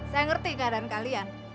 saya mengerti keadaan kalian